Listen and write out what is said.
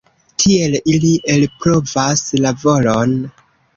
Tiel ili elprovas la volon.